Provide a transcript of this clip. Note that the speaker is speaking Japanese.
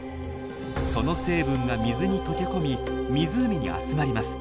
その成分が水に溶け込み湖に集まります。